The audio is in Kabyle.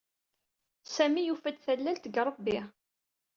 Sami yufa-d tallalt deg Ṛebbi.